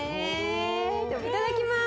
いただきます！